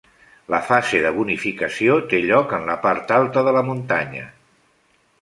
La fase de bonificació té lloc en la part alta de la muntanya.